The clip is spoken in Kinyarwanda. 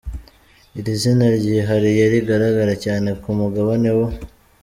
Iri zina ryihariye rigaragara cyane ku mugabane w’u